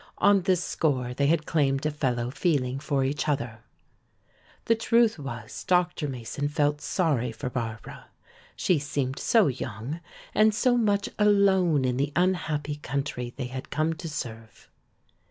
On this score they had claimed a fellow feeling for each other. The truth was Dr. Mason felt sorry for Barbara. She seemed so young and so much alone in the unhappy country they had come to serve.